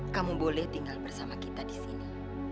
kamu boleh tinggal bersama kita disini